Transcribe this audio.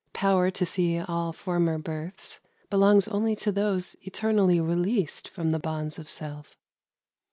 Power to see all former births belongs only to those eternally released from the bonds of Self.